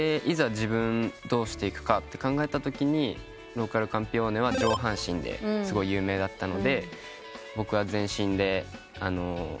自分どうしていくかって考えたときにローカルカンピオーネは上半身ですごい有名だったので僕は全身でチャレンジしてみようかなと。